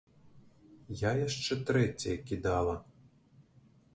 Я яшчэ трэцяя кідала.